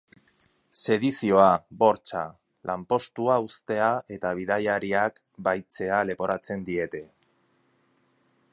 Sedizioa, bortxa, lanpostua uztea eta bidaiariak bahitzea leporatzen diete.